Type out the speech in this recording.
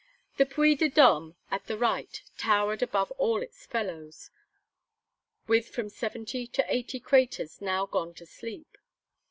The Puy de Dome, at the right, towered above all its fellows, with from seventy to eighty craters now gone to sleep.